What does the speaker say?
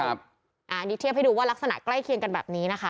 อันนี้เทียบให้ดูว่ารักษณะใกล้เคียงกันแบบนี้นะคะ